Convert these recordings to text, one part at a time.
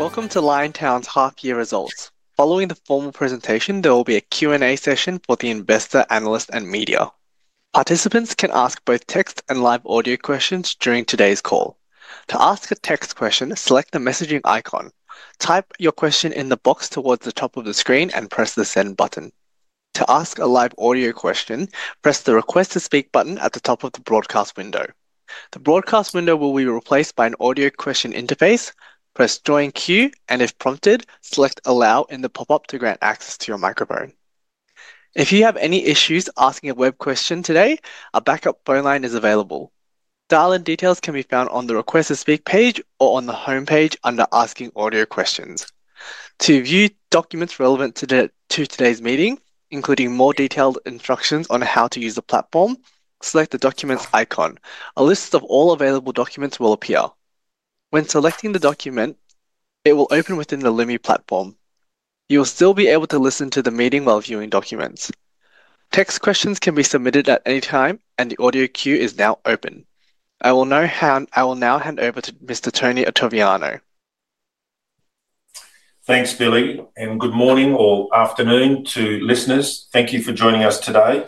Welcome to Liontown's half-year results. Following the formal presentation, there will be a Q&A session for the investor, analyst, and media. Participants can ask both text and live audio questions during today's call. To ask a text question, select the messaging icon, type your question in the box towards the top of the screen, and press the send button. To ask a live audio question, press the request to speak button at the top of the broadcast window. The broadcast window will be replaced by an audio question interface. Press join queue, and if prompted, select allow in the pop-up to grant access to your microphone. If you have any issues asking a web question today, a backup phone line is available. Dial-in details can be found on the request to speak page or on the homepage under asking audio questions. To view documents relevant to today's meeting, including more detailed instructions on how to use the platform, select the documents icon. A list of all available documents will appear. When selecting the document, it will open within the Lumi platform. You will still be able to listen to the meeting while viewing documents. Text questions can be submitted at any time, and the audio queue is now open. I will now hand over to Mr. Tony Ottaviano. Thanks, Billy, and good morning or afternoon to listeners. Thank you for joining us today.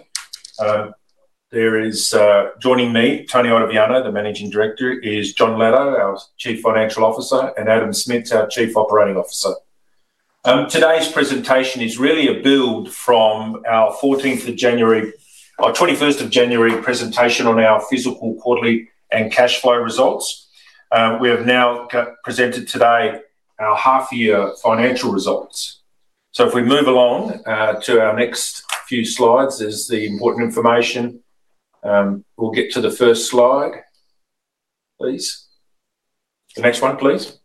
There is joining me, Tony Ottaviano, the Managing Director, Jon Latto, our Chief Financial Officer, and Adam Smits, our Chief Operating Officer. Today's presentation is really a build from our 21st of January presentation on our physical quarterly and cash flow results. We have now presented today our half-year financial results. If we move along to our next few slides, there's the important information. We'll get to the first slide, please. The next one, please.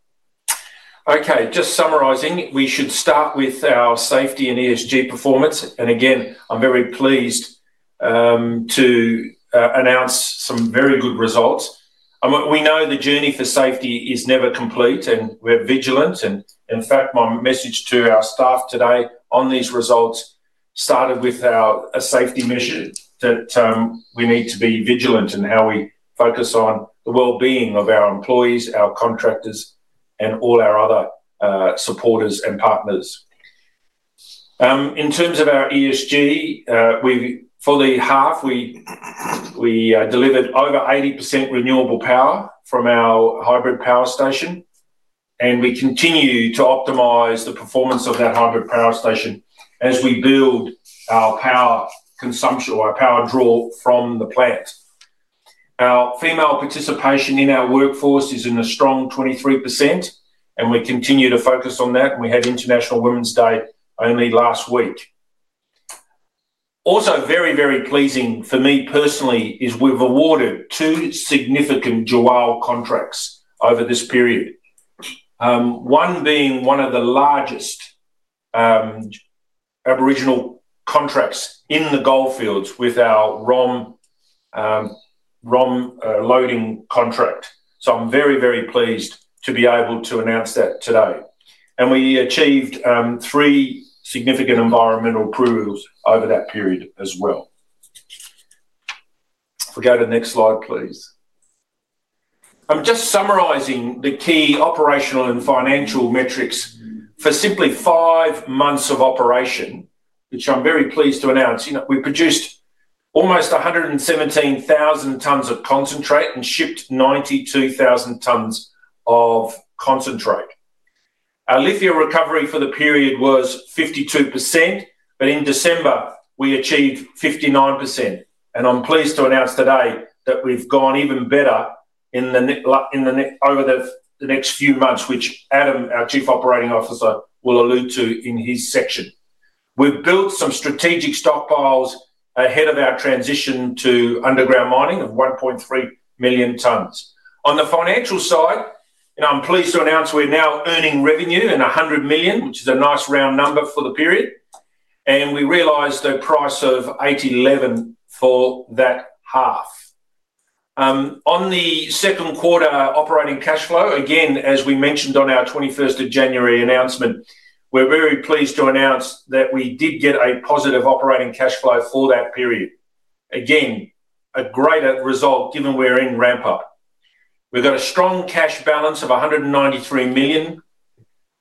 Okay, just summarizing, we should start with our safety and ESG performance. Again, I'm very pleased to announce some very good results. We know the journey for safety is never complete, and we're vigilant. In fact, my message to our staff today on these results started with our safety measure that we need to be vigilant in how we focus on the well-being of our employees, our contractors, and all our other supporters and partners. In terms of our ESG, for the half, we delivered over 80% renewable power from our hybrid power station, and we continue to optimize the performance of that hybrid power station as we build our power consumption or our power draw from the plant. Our female participation in our workforce is in a strong 23%, and we continue to focus on that. We had International Women's Day only last week. Also, very, very pleasing for me personally is we've awarded two significant Tjiwarl contracts over this period, one being one of the largest Aboriginal contracts in the Goldfields with our ROM Loading Contract. I'm very, very pleased to be able to announce that today. We achieved three significant environmental approvals over that period as well. If we go to the next slide, please. I'm just summarizing the key operational and financial metrics for simply five months of operation, which I'm very pleased to announce. We produced almost 117,000 tons of concentrate and shipped 92,000 tons of concentrate. Our lithium recovery for the period was 52%, but in December, we achieved 59%. I'm pleased to announce today that we've gone even better over the next few months, which Adam, our Chief Operating Officer, will allude to in his section. We've built some strategic stockpiles ahead of our transition to underground mining of 1.3 million tons. On the financial side, I'm pleased to announce we're now earning revenue in 100 million, which is a nice round number for the period. We realized a price of $811 for that half. On the second quarter operating cash flow, again, as we mentioned on our 21st of January announcement, we're very pleased to announce that we did get a positive operating cash flow for that period. Again, a greater result given we're in ramp-up. We've got a strong cash balance of AUD 193 million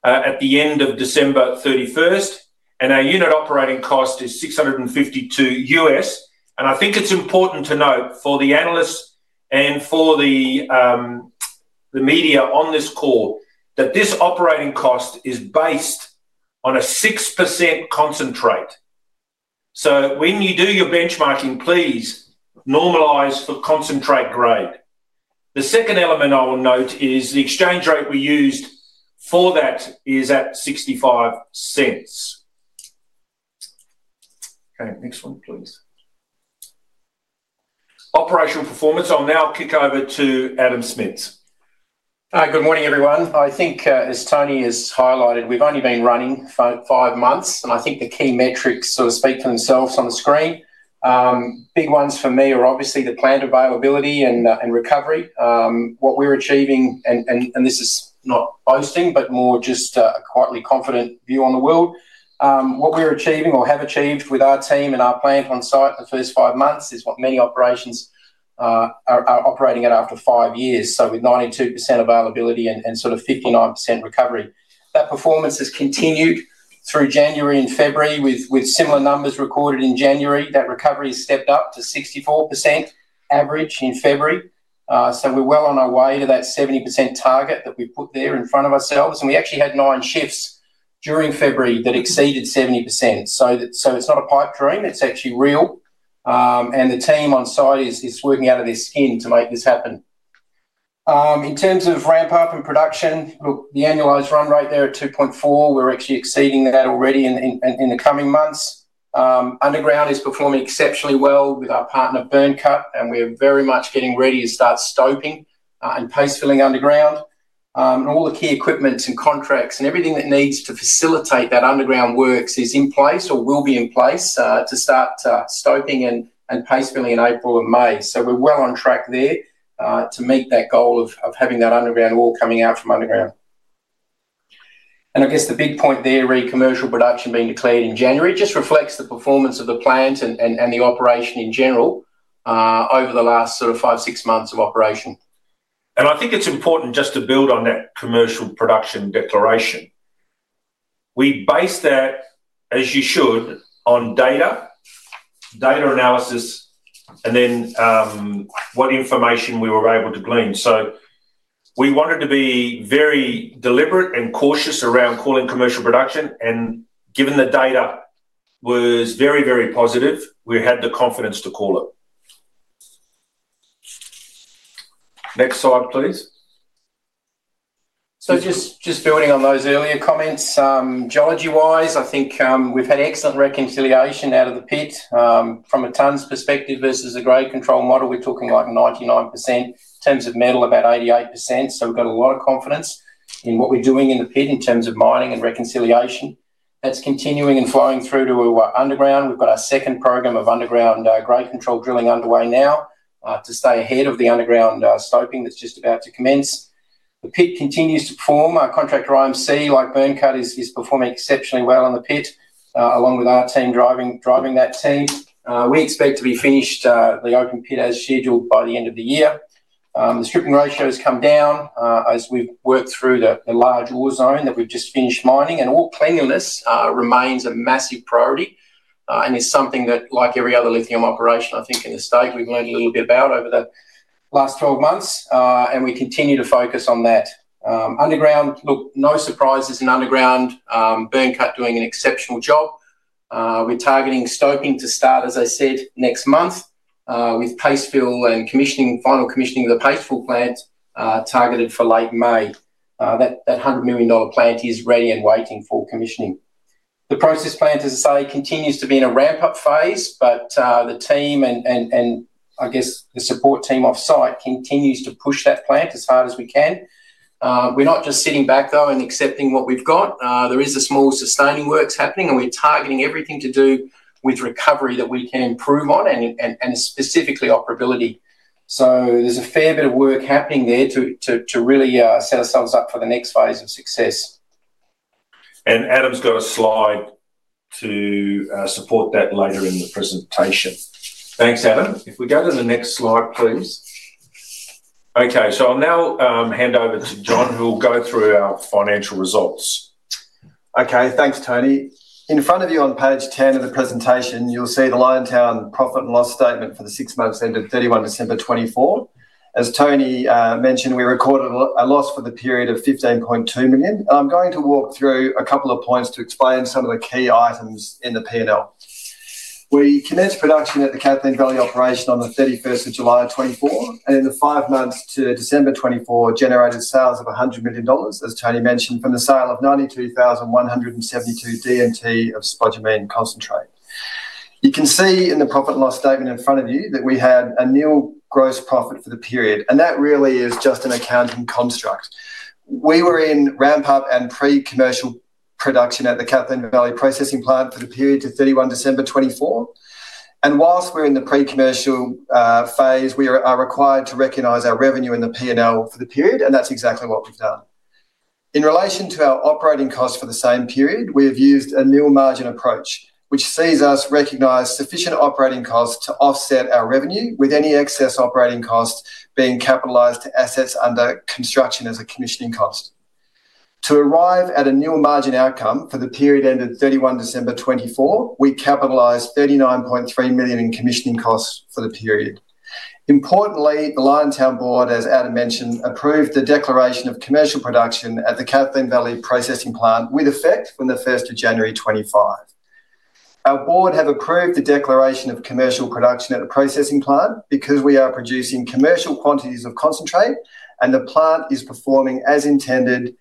at the end of December 31st, and our unit operating cost is $652. I think it's important to note for the analysts and for the media on this call that this operating cost is based on a 6% concentrate. When you do your benchmarking, please normalize for concentrate grade. The second element I will note is the exchange rate we used for that is at $0.65. Okay, next one, please. Operational performance. I'll now kick over to Adam Smits. Hi, good morning, everyone. I think, as Tony has highlighted, we've only been running five months, and I think the key metrics sort of speak for themselves on the screen. Big ones for me are obviously the plant availability and recovery. What we're achieving, and this is not boasting, but more just a quietly confident view on the world. What we're achieving or have achieved with our team and our plant on site in the first five months is what many operations are operating at after five years. With 92% availability and sort of 59% recovery, that performance has continued through January and February with similar numbers recorded in January. That recovery has stepped up to 64% average in February. We are well on our way to that 70% target that we put there in front of ourselves. We actually had nine shifts during February that exceeded 70%. It is not a pipe dream. It is actually real. The team on site is working out of their skin to make this happen. In terms of ramp-up and production, the annualized run rate there at 2.4, we are actually exceeding that already in the coming months. Underground is performing exceptionally well with our partner, Byrnecut, and we are very much getting ready to start stoping and paste filling underground. All the key equipment and contracts and everything that needs to facilitate that underground works is in place or will be in place to start stoping and paste filling in April and May. We are well on track there to meet that goal of having that underground wall coming out from underground. I guess the big point there, re commercial production being declared in January, just reflects the performance of the plant and the operation in general over the last sort of five, six months of operation. I think it's important just to build on that commercial production declaration. We based that, as you should, on data, data analysis, and then what information we were able to glean. We wanted to be very deliberate and cautious around calling commercial production. Given the data was very, very positive, we had the confidence to call it. Next slide, please. Just building on those earlier comments, geology-wise, I think we've had excellent reconciliation out of the pit from a tons perspective versus a grade control model. We're talking like 99%. In terms of metal, about 88%. We've got a lot of confidence in what we're doing in the pit in terms of mining and reconciliation. That's continuing and flowing through to our underground. We've got our second program of underground grade control drilling underway now to stay ahead of the underground stoping that's just about to commence. The pit continues to perform. Our contractor, IMC, like Byrnecut, is performing exceptionally well in the pit, along with our team driving that team. We expect to be finished the open pit as scheduled by the end of the year. The stripping ratio has come down as we've worked through the large ore zone that we've just finished mining. Ore cleanliness remains a massive priority. It is something that, like every other lithium operation, I think in the state, we have learned a little bit about over the last 12 months. We continue to focus on that. Underground, look, no surprises in underground. Byrnecut doing an exceptional job. We are targeting stoping to start, as I said, next month with paste fill and final commissioning of the paste fill plant targeted for late May. That 100 million dollar plant is ready and waiting for commissioning. The process plant, as I say, continues to be in a ramp-up phase, but the team and, I guess, the support team off-site continues to push that plant as hard as we can. We are not just sitting back, though, and accepting what we have got. There is a small sustaining work happening, and we're targeting everything to do with recovery that we can improve on and specifically operability. There is a fair bit of work happening there to really set ourselves up for the next phase of success. Adam's got a slide to support that later in the presentation. Thanks, Adam. If we go to the next slide, please. Okay, I will now hand over to Jon, who will go through our financial results. Okay, thanks, Tony. In front of you on page 10 of the presentation, you'll see the Liontown profit and loss statement for the six months ended 31 December 2024. As Tony mentioned, we recorded a loss for the period of 15.2 million. I'm going to walk through a couple of points to explain some of the key items in the P&L. We commenced production at the Kathleen Valley operation on the 31st of July 2024, and in the five months to December 2024, generated sales of 100 million dollars, as Tony mentioned, from the sale of 92,172 dmt of spodumene concentrate. You can see in the profit and loss statement in front of you that we had a nil gross profit for the period. That really is just an accounting construct. We were in ramp-up and pre-commercial production at the Kathleen Valley processing plant for the period to 31 December 2024. Whilst we're in the pre-commercial phase, we are required to recognize our revenue in the P&L for the period, and that's exactly what we've done. In relation to our operating costs for the same period, we have used a new margin approach, which sees us recognize sufficient operating costs to offset our revenue, with any excess operating costs being capitalized to assets under construction as a commissioning cost. To arrive at a nil margin outcome for the period ended 31 December 2024, we capitalized 39.3 million in commissioning costs for the period. Importantly, the Liontown board, as Adam mentioned, approved the declaration of commercial production at the Kathleen Valley processing plant with effect from the 1st of January 2025. Our board has approved the declaration of commercial production at the processing plant because we are producing commercial quantities of concentrate, and the plant is performing as intended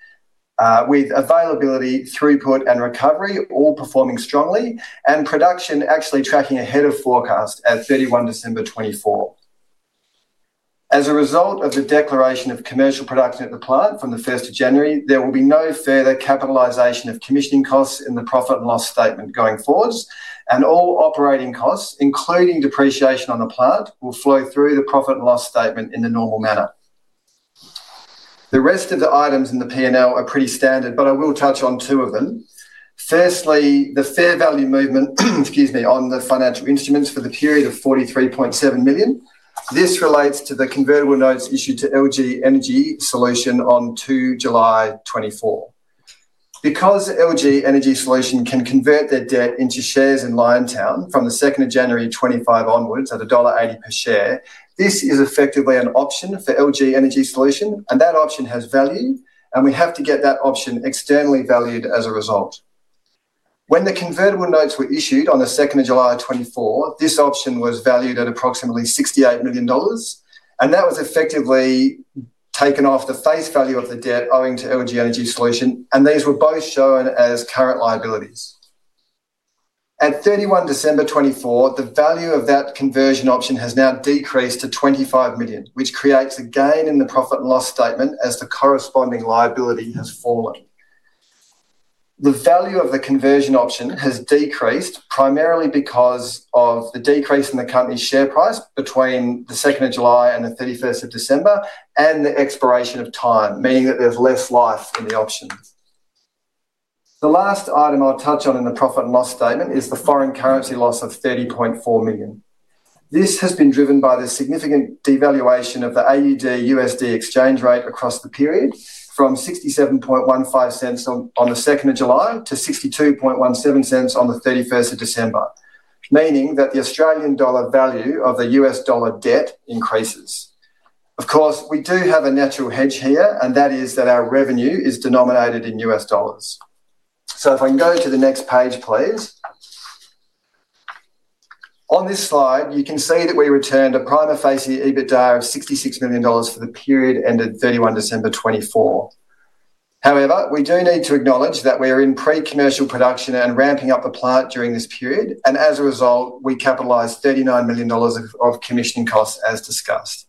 with availability, throughput, and recovery, all performing strongly, and production actually tracking ahead of forecast at 31 December 2024. As a result of the declaration of commercial production at the plant from the 1st of January, there will be no further capitalization of commissioning costs in the profit and loss statement going forwards, and all operating costs, including depreciation on the plant, will flow through the profit and loss statement in the normal manner. The rest of the items in the P&L are pretty standard, but I will touch on two of them. Firstly, the fair value movement, excuse me, on the financial instruments for the period of 43.7 million. This relates to the convertible notes issued to LG Energy Solution on 2 July 2024. Because LG Energy Solution can convert their debt into shares in Liontown from the 2nd of January 2025 onwards, at $1.80 per share, this is effectively an option for LG Energy Solution, and that option has value, and we have to get that option externally valued as a result. When the convertible notes were issued on the 2nd of July 2024, this option was valued at approximately $68 million, and that was effectively taken off the face value of the debt owing to LG Energy Solution, and these were both shown as current liabilities. At 31 December 2024, the value of that conversion option has now decreased to $25 million, which creates a gain in the profit and loss statement as the corresponding liability has fallen. The value of the conversion option has decreased primarily because of the decrease in the company's share price between the 2nd of July and the 31st of December and the expiration of time, meaning that there's less life in the option. The last item I'll touch on in the profit and loss statement is the foreign currency loss of $30.4 million. This has been driven by the significant devaluation of the AUD/USD exchange rate across the period from $0.6715 on the 2nd of July to $0.6217 on the 31st of December, meaning that the Australian dollar value of the US dollar debt increases. Of course, we do have a natural hedge here, and that is that our revenue is denominated in US dollars. If I can go to the next page, please. On this slide, you can see that we returned a prima facie EBITDA of 66 million dollars for the period ended 31 December 2024. However, we do need to acknowledge that we are in pre-commercial production and ramping up the plant during this period, and as a result, we capitalized 39 million dollars of commissioning costs as discussed.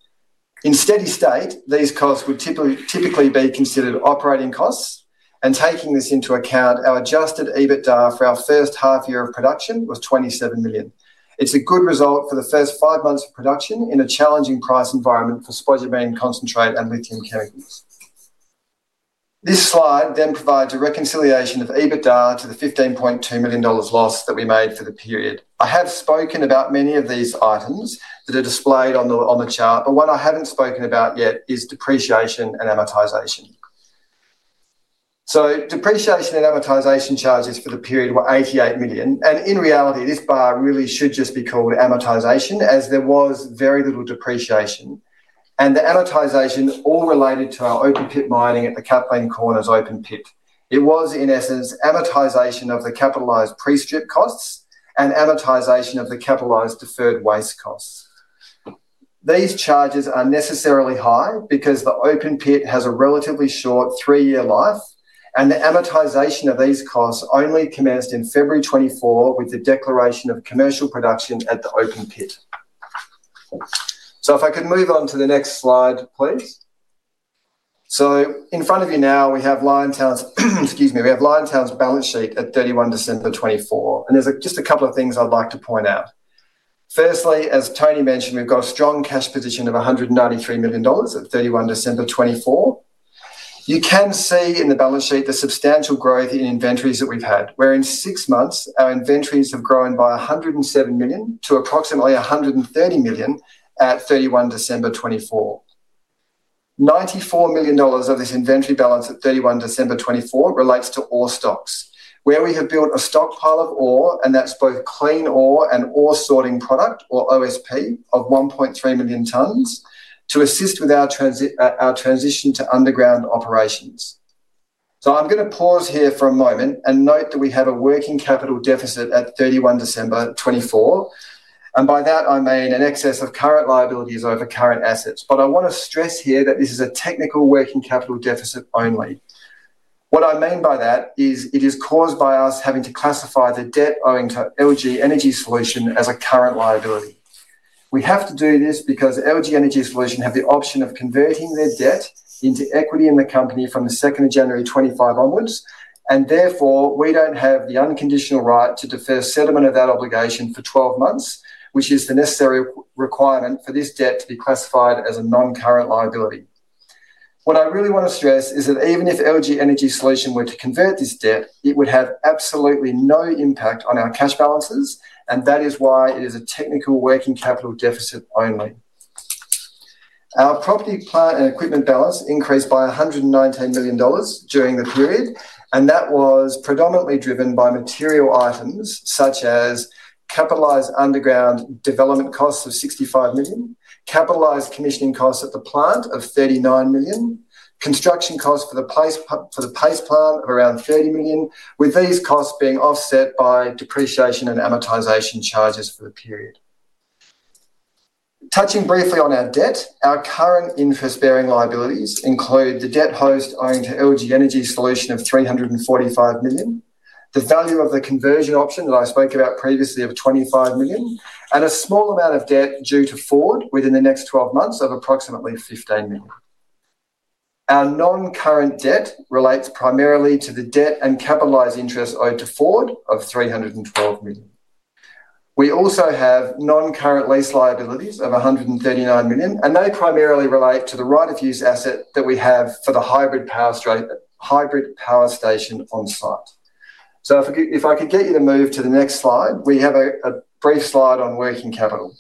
In steady state, these costs would typically be considered operating costs, and taking this into account, our adjusted EBITDA for our first half year of production was 27 million. It's a good result for the first five months of production in a challenging price environment for spodumene concentrate and lithium chemicals. This slide then provides a reconciliation of EBITDA to the 15.2 million dollars loss that we made for the period. I have spoken about many of these items that are displayed on the chart, but what I have not spoken about yet is depreciation and amortization. Depreciation and amortization charges for the period were 88 million. In reality, this bar really should just be called amortization, as there was very little depreciation. The amortization all related to our open pit mining at the Kathleen Valley open pit. It was, in essence, amortization of the capitalized pre-strip costs and amortization of the capitalized deferred waste costs. These charges are necessarily high because the open pit has a relatively short three-year life, and the amortization of these costs only commenced in February 2024 with the declaration of commercial production at the open pit. If I could move on to the next slide, please. In front of you now, we have Liontown Resources' balance sheet at 31 December 2024. There are just a couple of things I'd like to point out. Firstly, as Tony mentioned, we've got a strong cash position of 193 million dollars at 31 December 2024. You can see in the balance sheet the substantial growth in inventories that we've had, where in six months, our inventories have grown by 107 million to approximately 130 million at 31 December 2024. 94 million dollars of this inventory balance at 31 December 2024 relates to ore stocks, where we have built a stockpile of ore, and that's both clean ore and ore sorting product, or OSP, of 1.3 million tons to assist with our transition to underground operations. I am going to pause here for a moment and note that we have a working capital deficit at 31 December 2024. By that, I mean an excess of current liabilities over current assets. I want to stress here that this is a technical working capital deficit only. What I mean by that is it is caused by us having to classify the debt owing to LG Energy Solution as a current liability. We have to do this because LG Energy Solution have the option of converting their debt into equity in the company from the 2nd of January 2025 onwards, and therefore, we do not have the unconditional right to defer settlement of that obligation for 12 months, which is the necessary requirement for this debt to be classified as a non-current liability. What I really want to stress is that even if LG Energy Solution were to convert this debt, it would have absolutely no impact on our cash balances, and that is why it is a technical working capital deficit only. Our property, plant, and equipment balance increased by 119 million dollars during the period, and that was predominantly driven by material items such as capitalized underground development costs of 65 million, capitalized commissioning costs at the plant of 39 million, construction costs for the paste plant of around 30 million, with these costs being offset by depreciation and amortization charges for the period. Touching briefly on our debt, our current interest-bearing liabilities include the debt host owing to LG Energy Solution of 345 million, the value of the conversion option that I spoke about previously of 25 million, and a small amount of debt due to Ford within the next 12 months of approximately 15 million. Our non-current debt relates primarily to the debt and capitalized interest owed to Ford of 312 million. We also have non-current lease liabilities of 139 million, and they primarily relate to the right-of-use asset that we have for the hybrid power station on site. If I could get you to move to the next slide, we have a brief slide on working capital.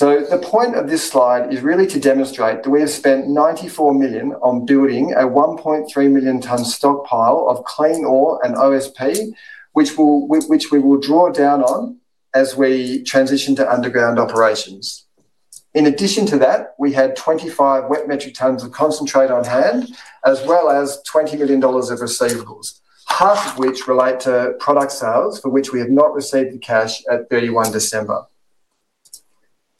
The point of this slide is really to demonstrate that we have spent 94 million on building a 1.3 million ton stockpile of clean ore and OSP, which we will draw down on as we transition to underground operations. In addition to that, we had 25,000 wet metric tons of concentrate on hand, as well as $20 million of receivables, half of which relate to product sales for which we have not received the cash at 31 December.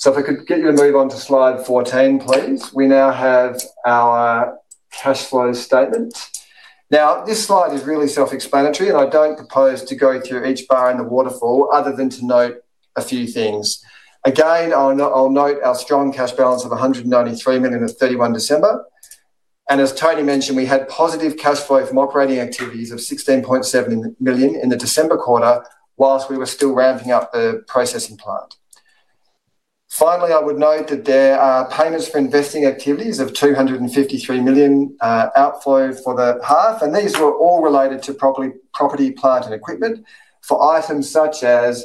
If I could get you to move on to slide 14, please. We now have our cash flow statement. Now, this slide is really self-explanatory, and I don't propose to go through each bar in the waterfall other than to note a few things. Again, I'll note our strong cash balance of 193 million at 31 December. As Tony mentioned, we had positive cash flow from operating activities of 16.7 million in the December quarter whilst we were still ramping up the processing plant. Finally, I would note that there are payments for investing activities of 253 million outflow for the half, and these were all related to property, plant, and equipment for items such as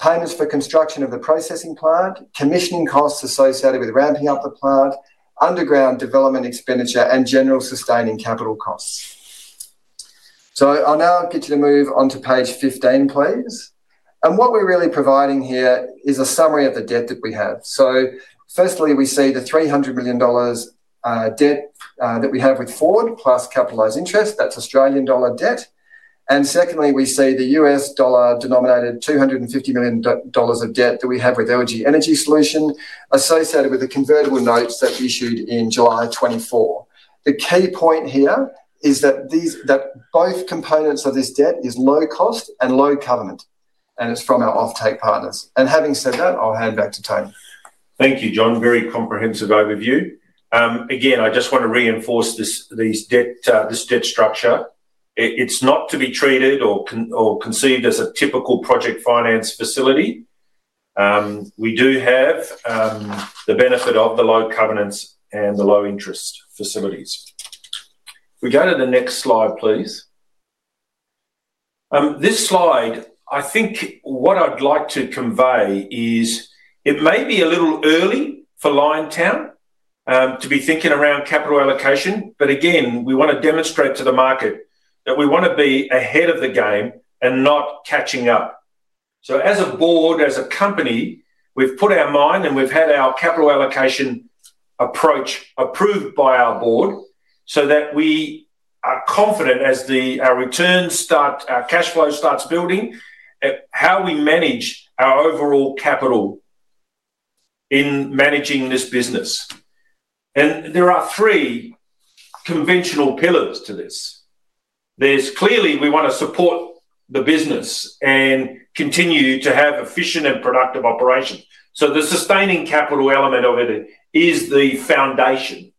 payments for construction of the processing plant, commissioning costs associated with ramping up the plant, underground development expenditure, and general sustaining capital costs. I'll now get you to move on to page 15, please. What we're really providing here is a summary of the debt that we have. Firstly, we see the 300 million dollars debt that we have with Ford plus capitalized interest. That is Australian dollar debt. Secondly, we see the $250 million of debt that we have with LG Energy Solution associated with the convertible notes that issued in July 2024. The key point here is that both components of this debt are low cost and low covenant, and it is from our off-take partners. Having said that, I'll hand back to Tony. Thank you, Jon. Very comprehensive overview. Again, I just want to reinforce this debt structure. It is not to be treated or conceived as a typical project finance facility. We do have the benefit of the low covenants and the low interest facilities. If we go to the next slide, please. This slide, I think what I'd like to convey is it may be a little early for Liontown to be thinking around capital allocation, but again, we want to demonstrate to the market that we want to be ahead of the game and not catching up. As a board, as a company, we've put our mind and we've had our capital allocation approach approved by our board so that we are confident as our returns start, our cash flow starts building, how we manage our overall capital in managing this business. There are three conventional pillars to this. Clearly, we want to support the business and continue to have efficient and productive operations. The sustaining capital element of it is the foundation.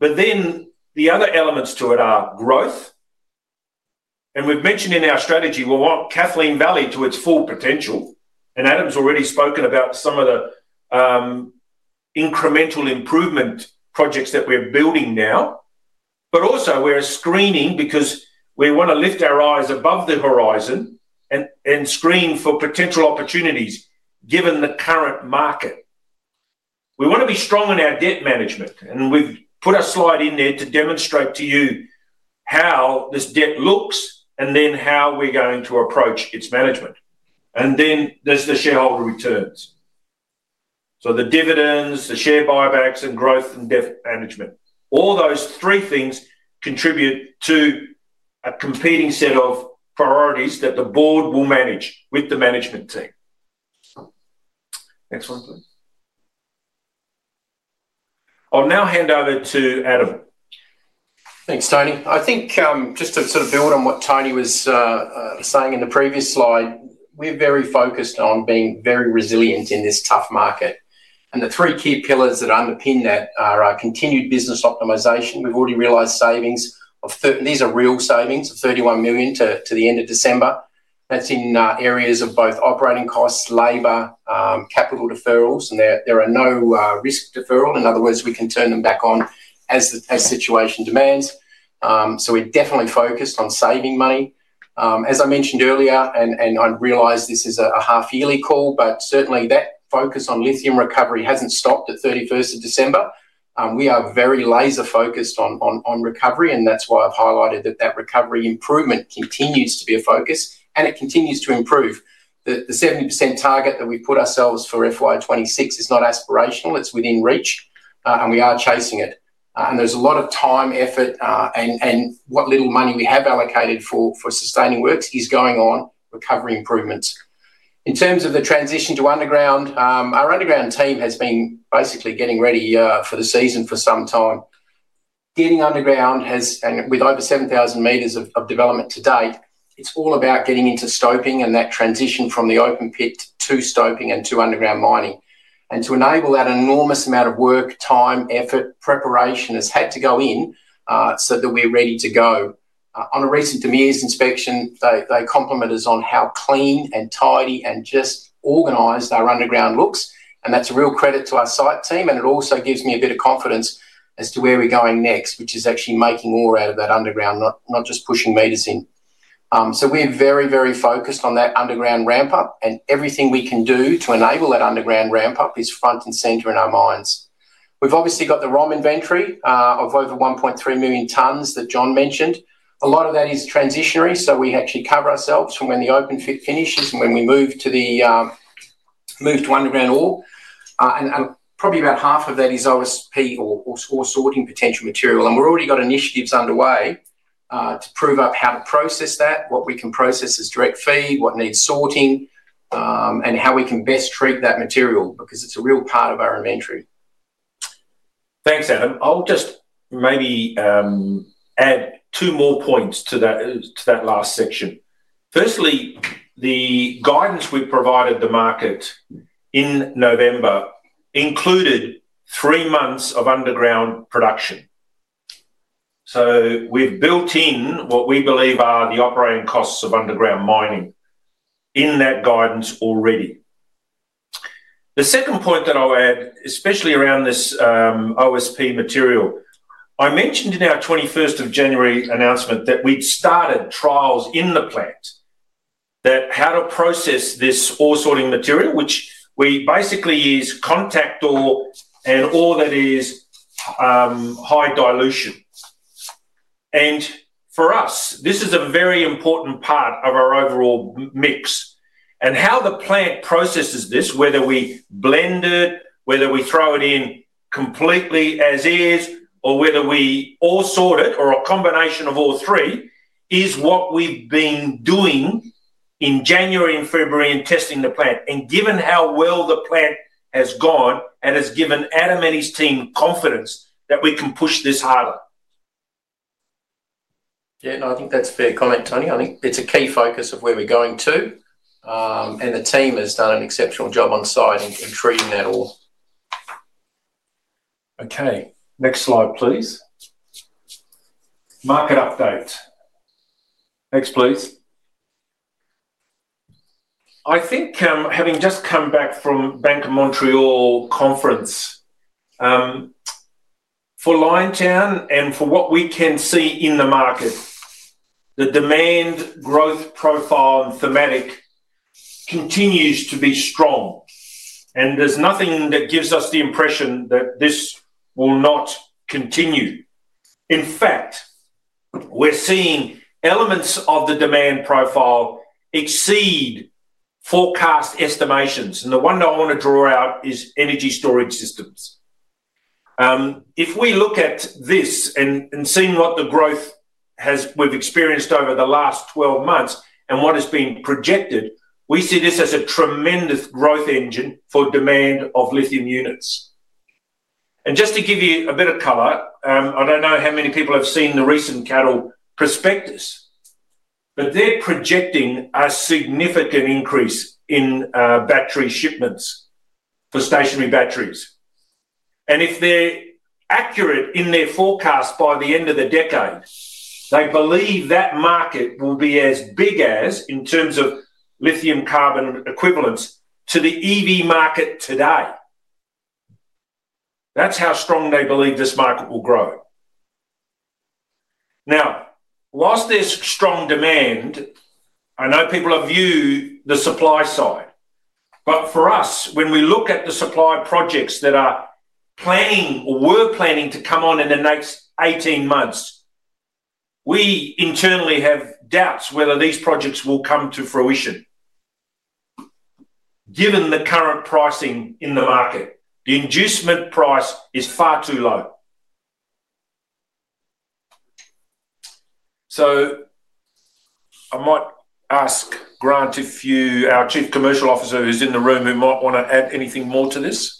The other elements to it are growth. We've mentioned in our strategy, we want Kathleen Valley to its full potential. Adam's already spoken about some of the incremental improvement projects that we're building now, but also we're screening because we want to lift our eyes above the horizon and screen for potential opportunities given the current market. We want to be strong in our debt management, and we've put a slide in there to demonstrate to you how this debt looks and then how we're going to approach its management. There's the shareholder returns. The dividends, the share buybacks, and growth and debt management. All those three things contribute to a competing set of priorities that the board will manage with the management team. Next slide please. I'll now hand over to Adam. Thanks, Tony. I think just to sort of build on what Tony was saying in the previous slide, we're very focused on being very resilient in this tough market. The three key pillars that underpin that are our continued business optimization. We've already realized savings of these are real savings of 31 million to the end of December. That's in areas of both operating costs, labor, capital deferrals, and there are no risk deferral. In other words, we can turn them back on as the situation demands. We are definitely focused on saving money. As I mentioned earlier, and I realize this is a half-yearly call, but certainly that focus on lithium recovery hasn't stopped at 31 December. We are very laser-focused on recovery, and that's why I've highlighted that that recovery improvement continues to be a focus, and it continues to improve. The 70% target that we put ourselves for FY 2026 is not aspirational. It's within reach, and we are chasing it. There's a lot of time, effort, and what little money we have allocated for sustaining works is going on recovery improvements. In terms of the transition to underground, our underground team has been basically getting ready for the season for some time. Getting underground has, and with over 7,000 meters of development to date, it's all about getting into stoping and that transition from the open pit to stoping and to underground mining. To enable that enormous amount of work, time, effort, preparation has had to go in so that we're ready to go. On a recent DEMIRS inspection, they complimented us on how clean and tidy and just organized our underground looks, and that's a real credit to our site team, and it also gives me a bit of confidence as to where we're going next, which is actually making more out of that underground, not just pushing meters in. We are very, very focused on that underground ramp-up, and everything we can do to enable that underground ramp-up is front and center in our minds. We've obviously got the ROM inventory of over 1.3 million tons that Jon mentioned. A lot of that is transitionary, so we actually cover ourselves from when the open pit finishes and when we move to underground ore. Probably about half of that is OSP or sorting potential material. We've already got initiatives underway to prove up how to process that, what we can process as direct feed, what needs sorting, and how we can best treat that material because it's a real part of our inventory. Thanks, Adam. I'll just maybe add two more points to that last section. Firstly, the guidance we provided the market in November included three months of underground production. We've built in what we believe are the operating costs of underground mining in that guidance already. The second point that I'll add, especially around this OSP material, I mentioned in our 21st of January announcement that we'd started trials in the plant on how to process this ore sorting material, which we basically use contact ore and ore that is high dilution. For us, this is a very important part of our overall mix. How the plant processes this, whether we blend it, whether we throw it in completely as is, or whether we ore sort it or a combination of all three, is what we've been doing in January and February in testing the plant. Given how well the plant has gone and has given Adam and his team confidence that we can push this harder. Yeah, no, I think that's a fair comment, Tony. I think it's a key focus of where we're going to, and the team has done an exceptional job on site in treating that ore. Okay. Next slide, please. Market update. Next, please. I think having just come back from Bank of Montreal conference, for Liontown and for what we can see in the market, the demand growth profile and thematic continues to be strong. There is nothing that gives us the impression that this will not continue. In fact, we're seeing elements of the demand profile exceed forecast estimations. The one that I want to draw out is energy storage systems. If we look at this and see the growth we've experienced over the last 12 months and what has been projected, we see this as a tremendous growth engine for demand of lithium units. Just to give you a bit of color, I don't know how many people have seen the recent CATL Prospectus, but they're projecting a significant increase in battery shipments for stationary batteries. If they're accurate in their forecast by the end of the decade, they believe that market will be as big as, in terms of lithium carbonate equivalents, the EV market today. That's how strong they believe this market will grow. Now, whilst there's strong demand, I know people have viewed the supply side, but for us, when we look at the supply projects that are planning or were planning to come on in the next 18 months, we internally have doubts whether these projects will come to fruition. Given the current pricing in the market, the inducement price is far too low. I might ask Grant, our Chief Commercial Officer who's in the room, who might want to add anything more to this.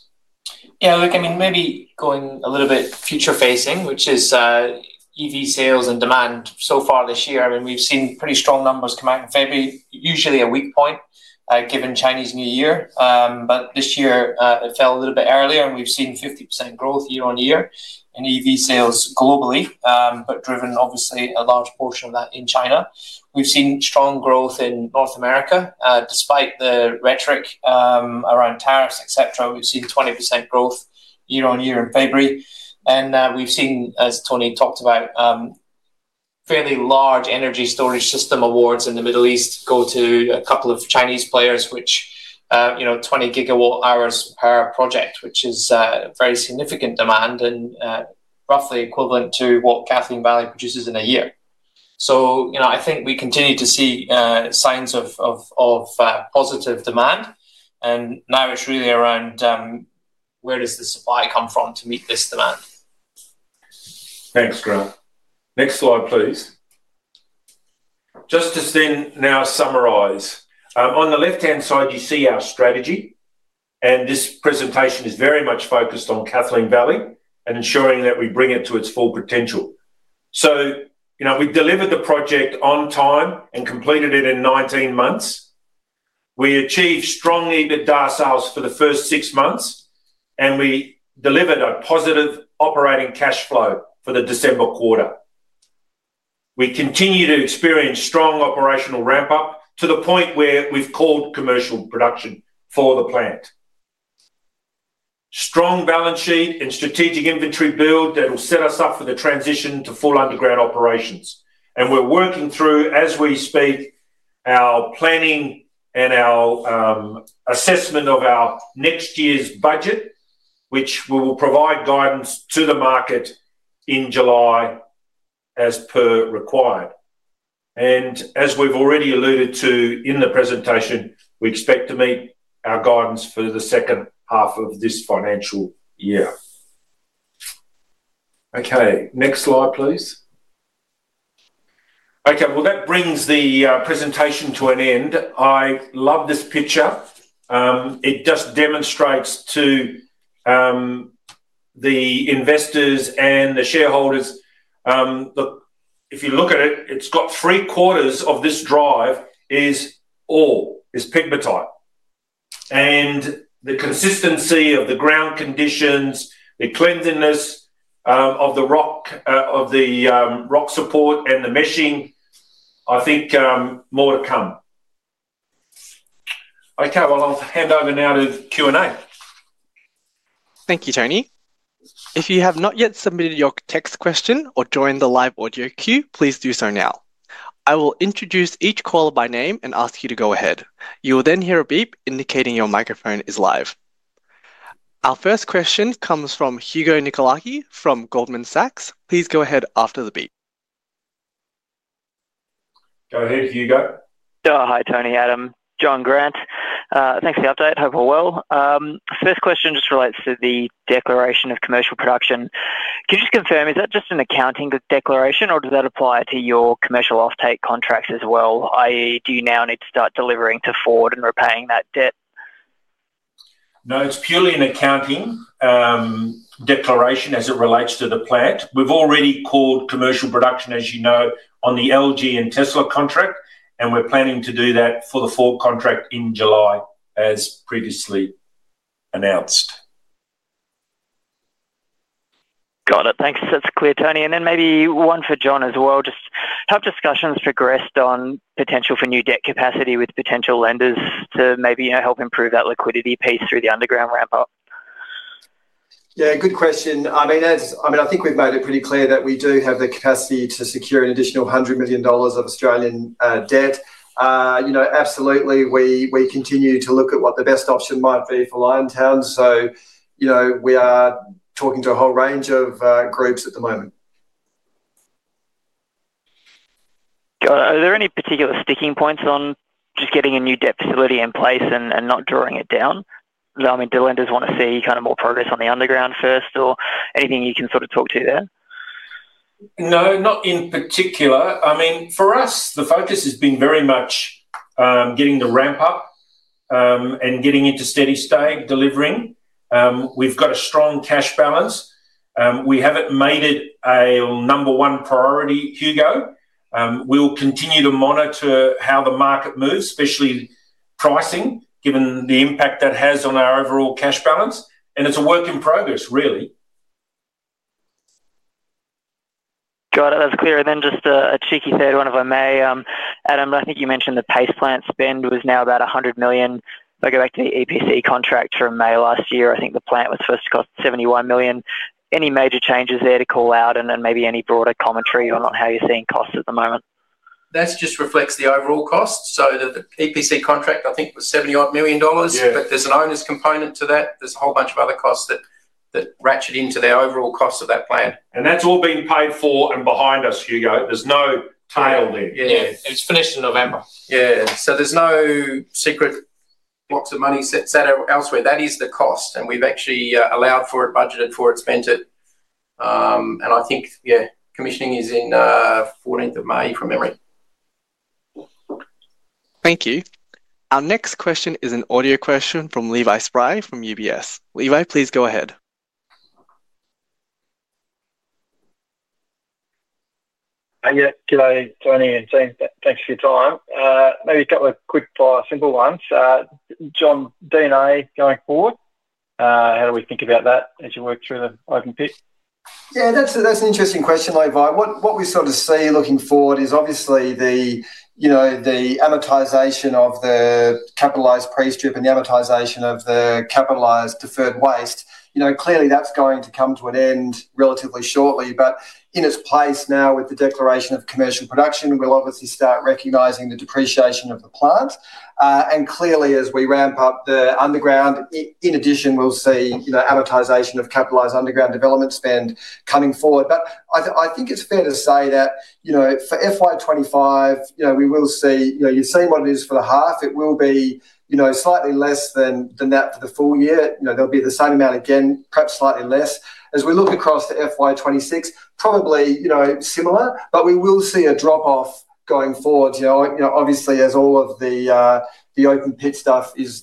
Yeah, look, I mean, maybe going a little bit future-facing, which is EV sales and demand so far this year. I mean, we've seen pretty strong numbers come out in February, usually a weak point given Chinese New Year. This year, it fell a little bit earlier, and we've seen 50% growth year on year in EV sales globally, but driven, obviously, a large portion of that in China. We've seen strong growth in North America. Despite the rhetoric around tariffs, etc., we've seen 20% growth year on year in February. We've seen, as Tony talked about, fairly large energy storage system awards in the Middle East go to a couple of Chinese players, which are 20 GW hours per project, which is very significant demand and roughly equivalent to what Kathleen Valley produces in a year. I think we continue to see signs of positive demand, and now it's really around where does the supply come from to meet this demand. Thanks, Grant. Next slide, please. Just to then now summarize. On the left-hand side, you see our strategy, and this presentation is very much focused on Kathleen Valley and ensuring that we bring it to its full potential. We delivered the project on time and completed it in 19 months. We achieved strong EBITDA sales for the first six months, and we delivered a positive operating cash flow for the December quarter. We continue to experience strong operational ramp-up to the point where we've called commercial production for the plant. Strong balance sheet and strategic inventory build that will set us up for the transition to full underground operations. We're working through, as we speak, our planning and our assessment of our next year's budget, which we will provide guidance to the market in July as per required. As we've already alluded to in the presentation, we expect to meet our guidance for the second half of this financial year. Okay. Next slide, please. Okay. That brings the presentation to an end. I love this picture. It just demonstrates to the investors and the shareholders, look, if you look at it, it's got three quarters of this drive is ore, is pegmatite. The consistency of the ground conditions, the cleanliness of the rock support and the meshing, I think more to come. Okay. I'll hand over now to Q&A. Thank you, Tony. If you have not yet submitted your text question or joined the live audio queue, please do so now. I will introduce each caller by name and ask you to go ahead. You will then hear a beep indicating your microphone is live. Our first question comes from Hugo Nicolaci from Goldman Sachs. Please go ahead after the beep. Go ahead, Hugo. Sure. Hi, Tony. Adam. Jon. Grant. Thanks for the update. Hope all well. First question just relates to the declaration of commercial production. Can you just confirm, is that just an accounting declaration, or does that apply to your commercial offtake contracts as well, i.e., do you now need to start delivering to Ford and repaying that debt? No, it's purely an accounting declaration as it relates to the plant. We've already called commercial production, as you know, on the LG and Tesla contract, and we're planning to do that for the Ford contract in July as previously announced. Got it. Thanks. That's clear, Tony. And then maybe one for Jon as well. Just how have discussions progressed on potential for new debt capacity with potential lenders to maybe help improve that liquidity piece through the underground ramp-up? Yeah, good question. I mean, I think we've made it pretty clear that we do have the capacity to secure an additional 100 million dollars of Australian debt. Absolutely, we continue to look at what the best option might be for Liontown. So we are talking to a whole range of groups at the moment. Are there any particular sticking points on just getting a new debt facility in place and not drawing it down? I mean, do lenders want to see kind of more progress on the underground first or anything you can sort of talk to there? No, not in particular. I mean, for us, the focus has been very much getting the ramp-up and getting into steady state delivering. We've got a strong cash balance. We haven't made it a number one priority, Hugo. We'll continue to monitor how the market moves, especially pricing, given the impact that has on our overall cash balance. It's a work in progress, really. Got it. That's clear. Just a cheeky third one, if I may. Adam, I think you mentioned the paste plant spend was now about 100 million. I go back to the EPC contract from May last year. I think the plant was first cost 71 million. Any major changes there to call out and maybe any broader commentary on how you're seeing costs at the moment? That just reflects the overall cost. The EPC contract, I think, was 71 million dollars, but there's an owners' component to that. There's a whole bunch of other costs that ratchet into the overall cost of that plant. That's all being paid for and behind us, Hugo. There's no tail there. Yeah. It was finished in November. Yeah. There's no secret blocks of money set out elsewhere. That is the cost. We've actually allowed for it, budgeted for it, spent it. I think, yeah, commissioning is in 14th of May, if I'm memory. Thank you. Our next question is an audio question from Levi Spry from UBS. Levi, please go ahead. Yeah. G'day, Tony. Thanks for your time. Maybe a couple of quick, simple ones. Jon, D&A going forward? How do we think about that as you work through the open pit? Yeah, that's an interesting question, Levi. What we sort of see looking forward is obviously the amortization of the capitalized pre-strip and the amortization of the capitalized deferred waste. Clearly, that's going to come to an end relatively shortly, but in its place now with the declaration of commercial production, we'll obviously start recognising the depreciation of the plant. Clearly, as we ramp-up the underground, in addition, we'll see amortization of capitalised underground development spend coming forward. I think it's fair to say that for FY 2025, we will see you've seen what it is for the half. It will be slightly less than that for the full year. There'll be the same amount again, perhaps slightly less. As we look across to FY 2026, probably similar, but we will see a drop-off going forward. Obviously, as all of the open pit stuff is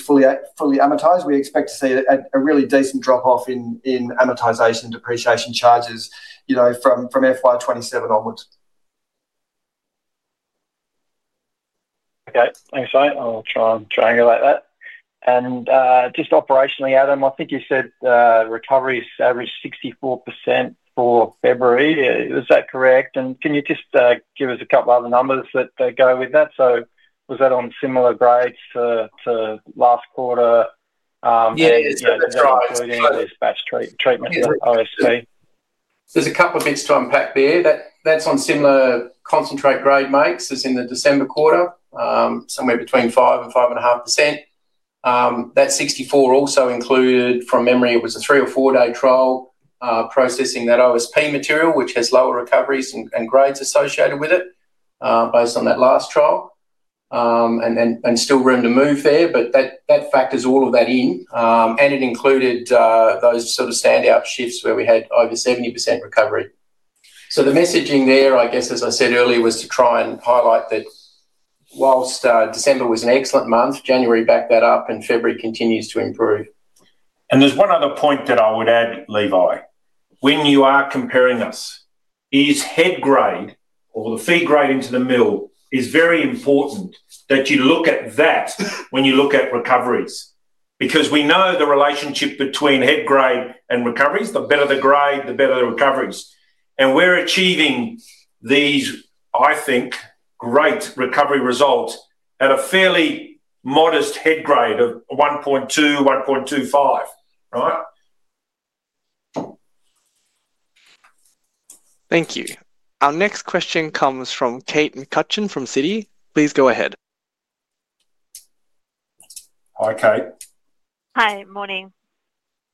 fully amortized, we expect to see a really decent drop-off in amortization depreciation charges from FY 2027 onwards. Okay. Thanks, mate. I'll try and triangulate that. Just operationally, Adam, I think you said recovery's averaged 64% for February. Is that correct? Can you just give us a couple of other numbers that go with that? Was that on similar grades to last quarter? Yeah, that's right. Including this batch treatment, OSP. There's a couple of bits to unpack there. That's on similar concentrate grade mates as in the December quarter, somewhere between 5%-5.5%. That 64% also included, from memory, it was a three or four-day trial processing that OSP material, which has lower recoveries and grades associated with it based on that last trial and still room to move there. That factors all of that in. It included those sort of standout shifts where we had over 70% recovery. The messaging there, I guess, as I said earlier, was to try and highlight that whilst December was an excellent month, January backed that up, and February continues to improve. There is one other point that I would add, Levi. When you are comparing us, is head grade or the feed grade into the mill very important that you look at that when you look at recoveries? Because we know the relationship between head grade and recoveries. The better the grade, the better the recoveries. We are achieving these, I think, great recovery results at a fairly modest head grade of 1.2, 1.25, right? Thank you. Our next question comes from Kate McCutcheon from Citi. Please go ahead. Hi, Kate. Hi, morning.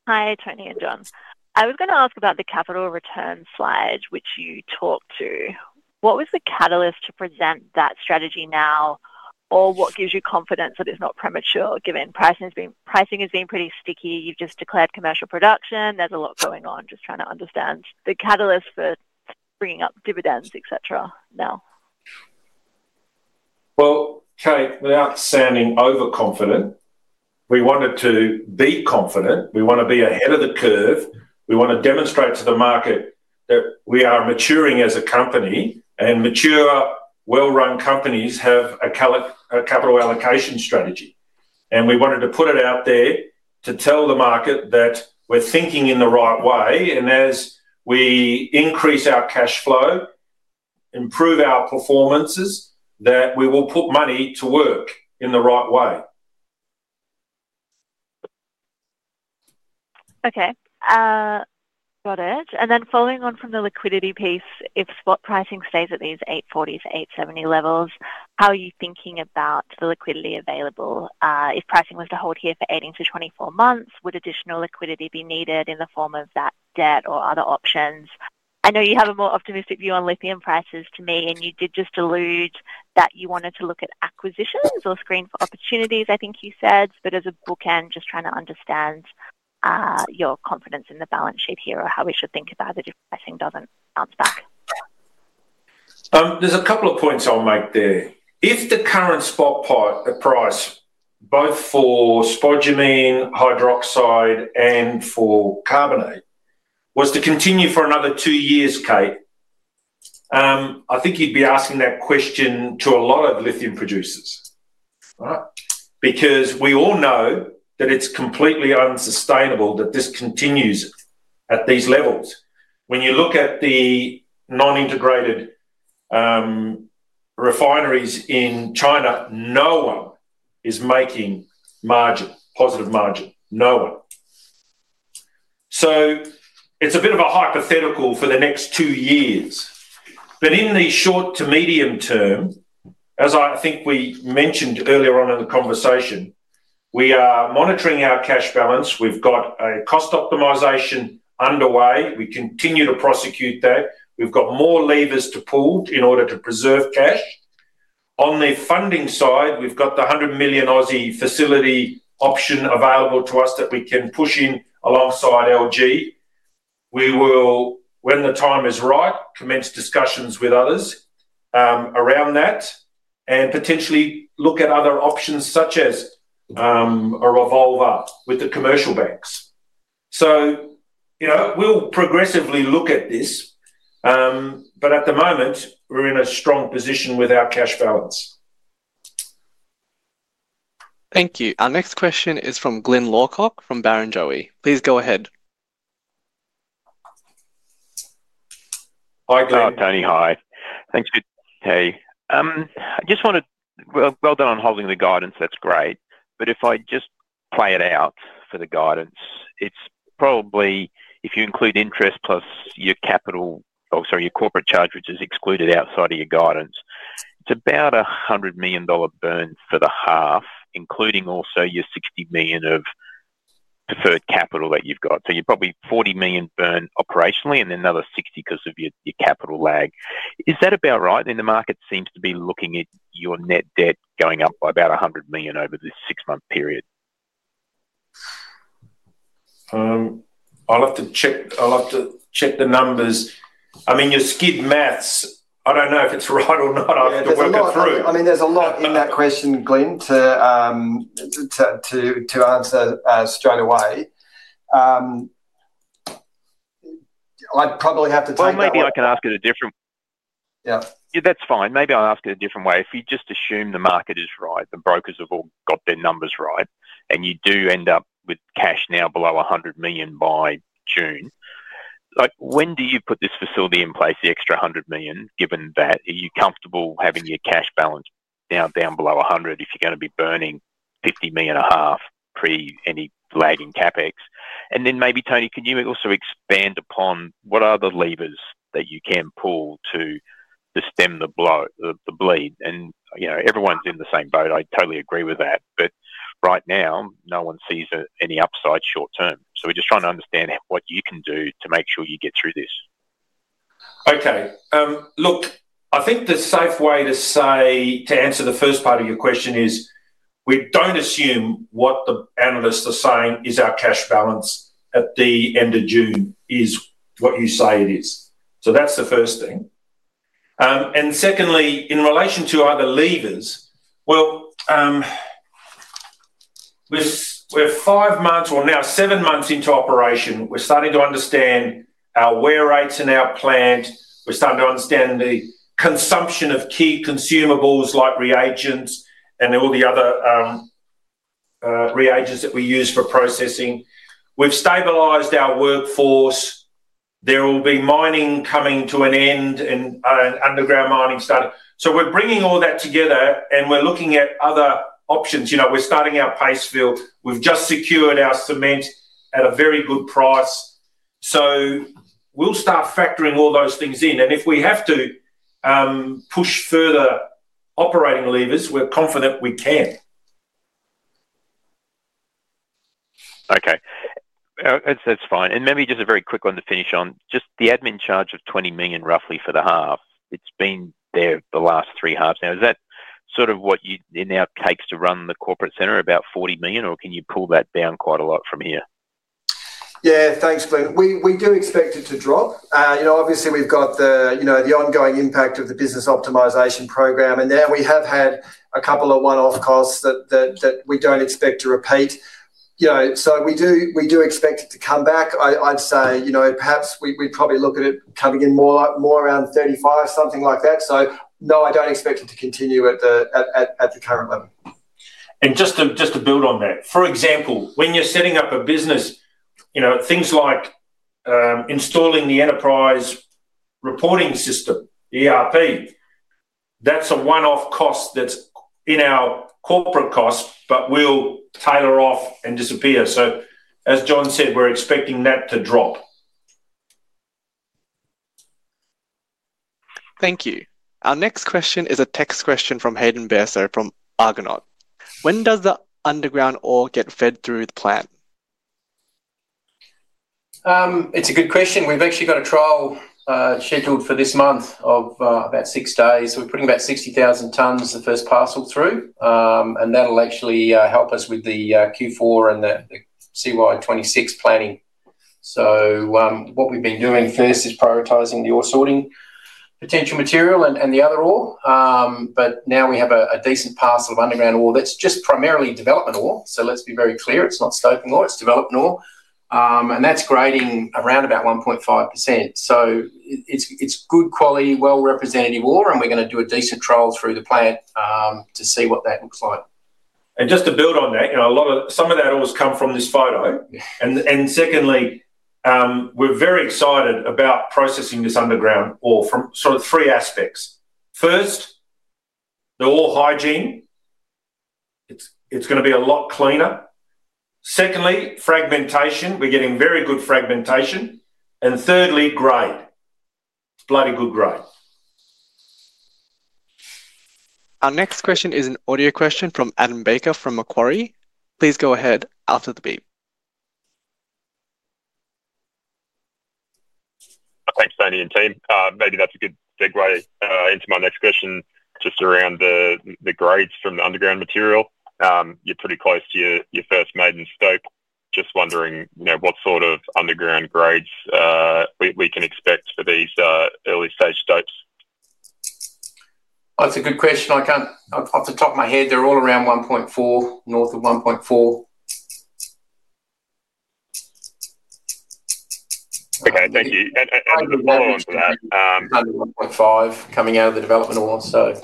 Hi, Tony and Jon. I was going to ask about the capital return slide, which you talked to. What was the catalyst to present that strategy now, or what gives you confidence that it's not premature given pricing has been pretty sticky? You've just declared commercial production. There's a lot going on. Just trying to understand the catalyst for bringing up dividends, etc., now. Kate, without sounding overconfident, we wanted to be confident. We want to be ahead of the curve. We want to demonstrate to the market that we are maturing as a company, and mature, well-run companies have a capital allocation strategy. We wanted to put it out there to tell the market that we're thinking in the right way. As we increase our cash flow, improve our performances, we will put money to work in the right way. Okay. Got it. Following on from the liquidity piece, if spot pricing stays at these 840-870 levels, how are you thinking about the liquidity available? If pricing was to hold here for 18 to 24 months, would additional liquidity be needed in the form of that debt or other options? I know you have a more optimistic view on lithium prices to me, and you did just allude that you wanted to look at acquisitions or screen for opportunities, I think you said. As a bookend, just trying to understand your confidence in the balance sheet here or how we should think about it if pricing doesn't bounce back. There's a couple of points I'll make there. If the current spot price, both for spodumene, hydroxide, and for carbonate, was to continue for another two years, Kate, I think you'd be asking that question to a lot of lithium producers, right? Because we all know that it's completely unsustainable that this continues at these levels. When you look at the non-integrated refineries in China, no one is making margin, positive margin. No one. It's a bit of a hypothetical for the next two years. In the short to medium term, as I think we mentioned earlier on in the conversation, we are monitoring our cash balance. We've got a cost optimisation underway. We continue to prosecute that. We've got more levers to pull in order to preserve cash. On the funding side, we've got the 100 million Aussie facility option available to us that we can push in alongside LG. We will, when the time is right, commence discussions with others around that and potentially look at other options such as a revolver with the commercial banks. We will progressively look at this. At the moment, we are in a strong position with our cash balance. Thank you. Our next question is from Glyn Lawcock from Barrenjoey. Please go ahead. Hi, Glyn. Hi, Tony. Hi. Thanks for your time. I just want to—well, well done on holding the guidance. That is great. If I just play it out for the guidance, it is probably, if you include interest plus your capital—oh, sorry, your corporate charge, which is excluded outside of your guidance, it is about a $100 million burn for the half, including also your $60 million of preferred capital that you have got. You are probably $40 million burn operationally and another $60 million because of your capital lag. Is that about right? I mean, the market seems to be looking at your net debt going up by about $100 million over this six-month period. I'll have to check the numbers. I mean, you skid maths. I don't know if it's right or not. I'll have to work it through. I mean, there's a lot in that question, Glyn, to answer straight away. I'd probably have to take that. Maybe I can ask it a different— Yeah. Yeah, that's fine. Maybe I'll ask it a different way. If you just assume the market is right, the brokers have all got their numbers right, and you do end up with cash now below $100 million by June, when do you put this facility in place, the extra $100 million, given that? Are you comfortable having your cash balance now down below $100 million if you're going to be burning $50 million a half pre any lagging capex? Maybe, Tony, can you also expand upon what are the levers that you can pull to stem the bleed? Everyone's in the same boat. I totally agree with that. Right now, no one sees any upside short term. We're just trying to understand what you can do to make sure you get through this. Okay. Look, I think the safe way to answer the first part of your question is we don't assume what the analysts are saying is our cash balance at the end of June is what you say it is. That's the first thing. Secondly, in relation to other levers, we're five months—well, now seven months into operation. We're starting to understand our wear rates in our plant. We're starting to understand the consumption of key consumables like reagents and all the other reagents that we use for processing. We've stabilized our workforce. There will be mining coming to an end and underground mining started. We're bringing all that together, and we're looking at other options. We're starting our paste fill. We've just secured our cement at a very good price. We'll start factoring all those things in. If we have to push further operating levers, we're confident we can. Okay. That's fine. Maybe just a very quick one to finish on. Just the admin charge of $20 million, roughly, for the half, it's been there the last three halves now. Is that sort of what it now takes to run the corporate centre, about 40 million, or can you pull that down quite a lot from here? Yeah. Thanks, Glyn. We do expect it to drop. Obviously, we've got the ongoing impact of the business optimisation program, and now we have had a couple of one-off costs that we don't expect to repeat. We do expect it to come back. I'd say perhaps we'd probably look at it coming in more around 35 million, something like that. No, I don't expect it to continue at the current level. Just to build on that, for example, when you're setting up a business, things like installing the enterprise reporting system, the ERP, that's a one-off cost that's in our corporate cost, but will tailor off and disappear. As Jon said, we're expecting that to drop. Thank you. Our next question is a text question from Hayden Bairstow from Argonaut. When does the underground ore get fed through the plant? It's a good question. We've actually got a trial scheduled for this month of about six days. We're putting about 60,000 tonnes, the first parcel, through, and that'll actually help us with the Q4 and the CY 2026 planning. What we've been doing first is prioritizing the ore sorting, potential material, and the other ore. Now we have a decent parcel of underground ore that's just primarily development ore. Let's be very clear. It's not stoping ore. It's development ore. That's grading around about 1.5%. It's good quality, well-represented ore, and we're going to do a decent trial through the plant to see what that looks like. Just to build on that, some of that will come from this photo. Secondly, we're very excited about processing this underground ore from sort of three aspects. First, the ore hygiene. It's going to be a lot cleaner. Secondly, fragmentation. We're getting very good fragmentation. Thirdly, grade. It's bloody good grade. Our next question is an audio question from Adam Baker from Macquarie. Please go ahead after the beep. Thanks, Tony and team. Maybe that's a good segue into my next question just around the grades from the underground material. You're pretty close to your first maiden stope. Just wondering what sort of underground grades we can expect for these early-stage stopes. That's a good question. Off the top of my head, they're all around 1.4, north of 1.4. Okay. Thank you. As a follow-up to that, 1.5 coming out of the development ore, so.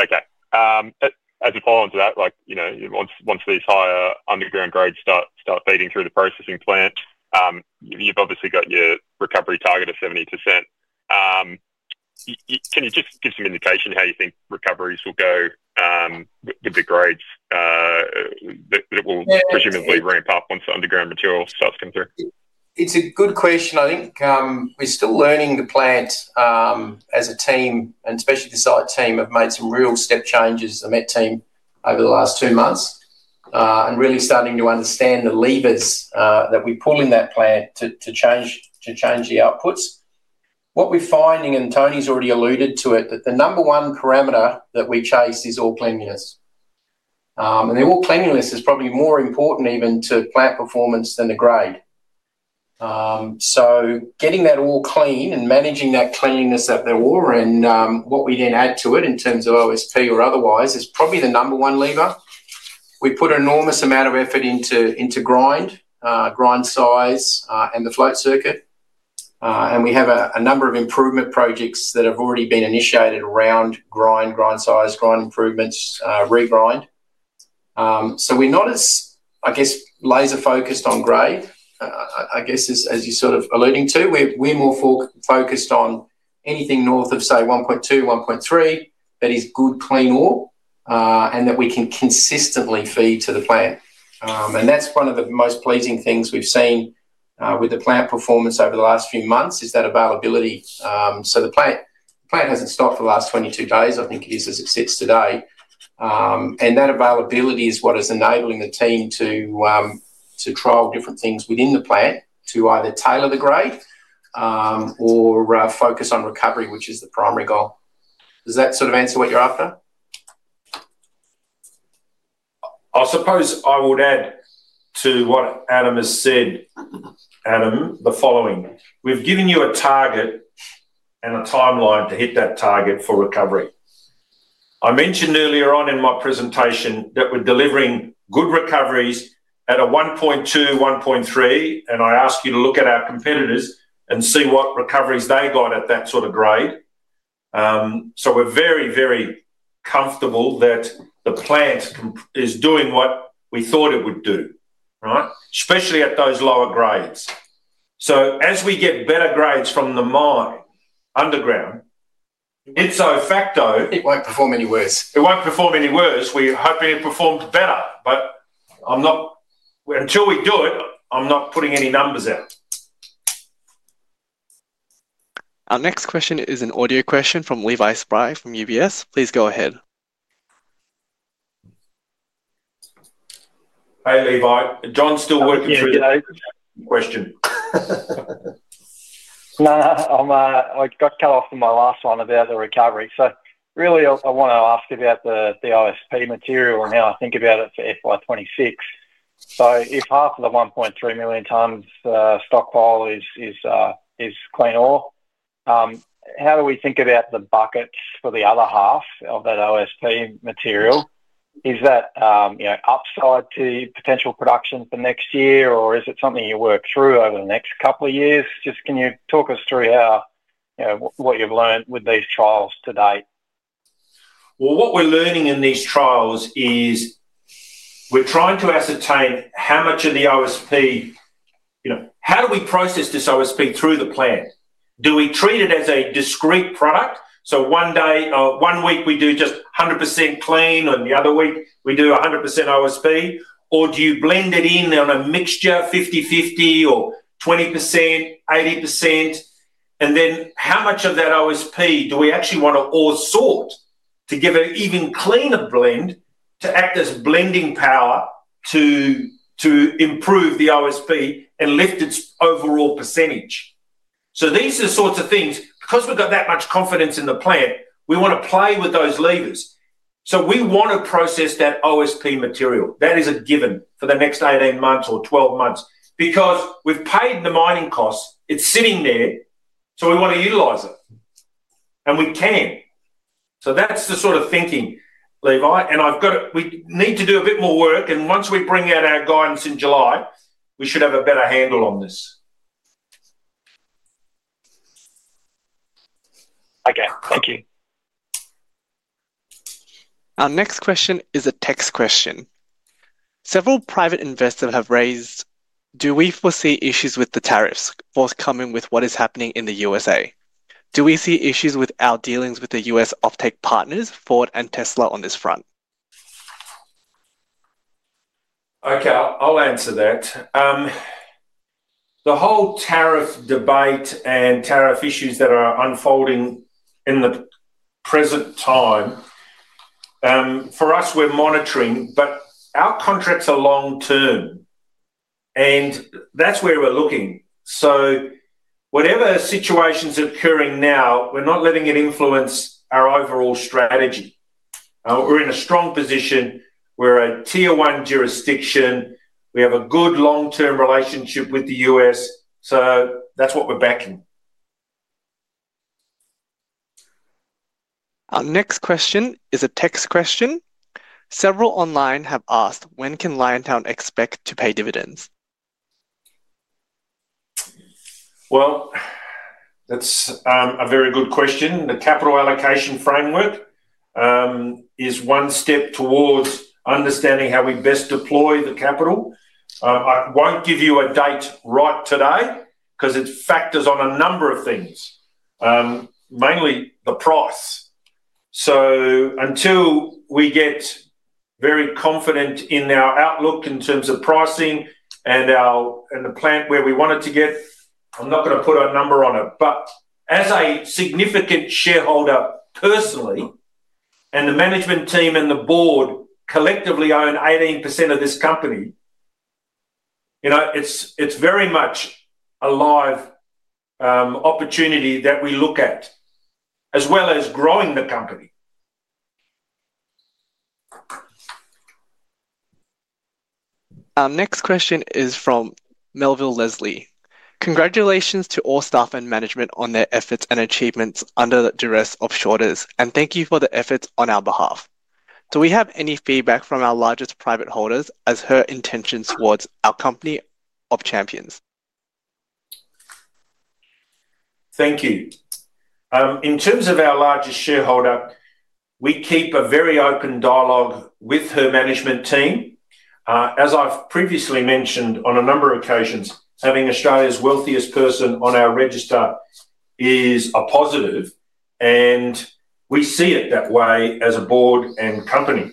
Okay. As a follow-up to that, once these higher underground grades start feeding through the processing plant, you've obviously got your recovery target of 70%. Can you just give some indication how you think recoveries will go with the grades that will presumably ramp-up once the underground material starts coming through? It's a good question. I think we're still learning the plant as a team, and especially the site team have made some real step changes, the met team, over the last two months and really starting to understand the levers that we pull in that plant to change the outputs. What we're finding, and Tony's already alluded to it, that the number one parameter that we chase is ore cleanliness. The ore cleanliness is probably more important even to plant performance than the grade. Getting that ore clean and managing that cleanliness, that the ore and what we then add to it in terms of OSP or otherwise, is probably the number one lever. We put an enormous amount of effort into grind, grind size, and the float circuit. We have a number of improvement projects that have already been initiated around grind, grind size, grind improvements, regrind. We're not as, I guess, laser-focused on grade, I guess, as you're sort of alluding to. We're more focused on anything north of, say, 1.2-1.3 that is good, clean ore and that we can consistently feed to the plant. One of the most pleasing things we've seen with the plant performance over the last few months is that availability. The plant hasn't stopped for the last 22 days, I think it is as it sits today. That availability is what is enabling the team to trial different things within the plant to either tailor the grade or focus on recovery, which is the primary goal. Does that sort of answer what you're after? I suppose I would add to what Adam has said, Adam, the following. We've given you a target and a timeline to hit that target for recovery. I mentioned earlier on in my presentation that we're delivering good recoveries at a 1.2, 1.3, and I asked you to look at our competitors and see what recoveries they got at that sort of grade. We're very, very comfortable that the plant is doing what we thought it would do, right, especially at those lower grades. As we get better grades from the mine underground, ipso facto. It won't perform any worse. It won't perform any worse. We're hoping it performs better, but until we do it, I'm not putting any numbers out. Our next question is an audio question from Levi Spry from UBS. Please go ahead. Hey, Levi. John's still working through the question. No, I got cut off in my last one about the recovery. I want to ask about the OSP material and how I think about it for FY 2026. If half of the 1.3 million tons stockpile is clean ore, how do we think about the buckets for the other half of that OSP material? Is that upside to potential production for next year, or is it something you work through over the next couple of years? Can you talk us through what you've learned with these trials to date? What we're learning in these trials is we're trying to ascertain how much of the OSP—how do we process this OSP through the plant? Do we treat it as a discrete product? One week we do just 100% clean, and the other week we do 100% OSP, or do you blend it in on a mixture, 50/50, or 20%, 80%? How much of that OSP do we actually want to ore sort to give an even cleaner blend to act as blending power to improve the OSP and lift its overall percentage? These are the sorts of things. Because we've got that much confidence in the plant, we want to play with those levers. We want to process that OSP material. That is a given for the next 18 months or 12 months because we've paid the mining costs. It's sitting there, so we want to utilise it, and we can. That's the sort of thinking, Levi. We need to do a bit more work. Once we bring out our guidance in July, we should have a better handle on this. Okay. Thank you. Our next question is a text question. Several private investors have raised, "Do we foresee issues with the tariffs forthcoming with what is happening in the U.S.A.? Do we see issues with our dealings with the U.S. offtake partners, Ford and Tesla, on this front?" Okay. I'll answer that. The whole tariff debate and tariff issues that are unfolding in the present time, for us, we're monitoring, but our contracts are long-term, and that's where we're looking. Whatever situations are occurring now, we're not letting it influence our overall strategy. We're in a strong position. We're a tier-one jurisdiction. We have a good long-term relationship with the U.S., so that's what we're backing. Our next question is a text question. Several online have asked, "When can Liontown expect to pay dividends?" That's a very good question. The capital allocation framework is one step towards understanding how we best deploy the capital. I won't give you a date right today because it factors on a number of things, mainly the price. Until we get very confident in our outlook in terms of pricing and the plant where we want it to get, I'm not going to put a number on it. As a significant shareholder personally, and the management team and the board collectively own 18% of this company, it's very much a live opportunity that we look at as well as growing the company. Our next question is from Melville Leslie. Congratulations to our staff and management on their efforts and achievements under the duress of shortages, and thank you for the efforts on our behalf. Do we have any feedback from our largest private holders as to her intentions towards our company of champions?" Thank you. In terms of our largest shareholder, we keep a very open dialogue with her management team. As I've previously mentioned on a number of occasions, having Australia's wealthiest person on our register is a positive, and we see it that way as a board and company.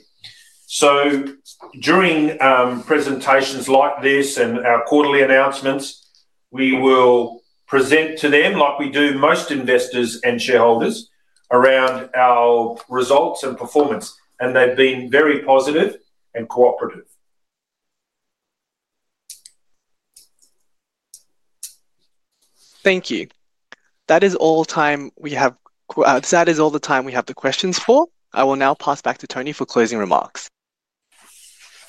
During presentations like this and our quarterly announcements, we will present to them like we do most investors and shareholders around our results and performance, and they've been very positive and cooperative. Thank you. That is all the time we have for questions. I will now pass back to Tony for closing remarks.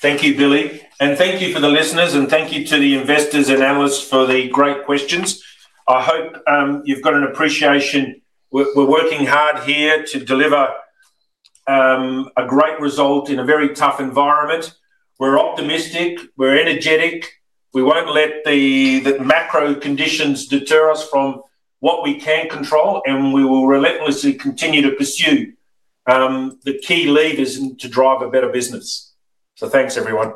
Thank you, Billy. Thank you for the listeners, and thank you to the investors and analysts for the great questions. I hope you've got an appreciation. We're working hard here to deliver a great result in a very tough environment. We're optimistic. We're energetic. We won't let the macro conditions deter us from what we can control, and we will relentlessly continue to pursue the key levers to drive a better business. Thanks, everyone.